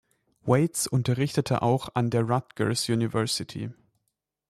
Waits unterrichtete auch an der Rutgers University.